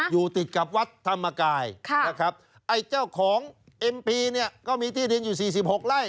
อยู่ติดกับวัดธรรมกายนะครับไอ้เจ้าของเอ็มพีเนี่ยก็มีที่ดินอยู่๔๖ไร่